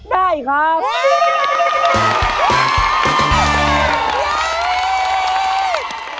ได้ครับ